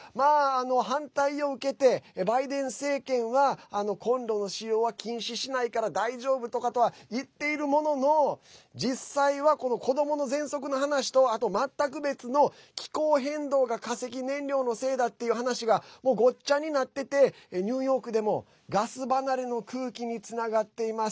反対を受けて、バイデン政権はコンロの使用は禁止しないから大丈夫とかとは言っているものの実際は子どものぜんそくの話とあと、全く別の気候変動が化石燃料のせいだっていう話がもう、ごっちゃになっててニューヨークでもガス離れの空気につながっています。